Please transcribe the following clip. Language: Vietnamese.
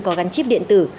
có gắn chip điện tử